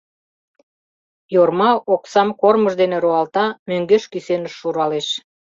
— Йорма оксам кормыж дене руалта, мӧҥгеш кӱсеныш шуралеш.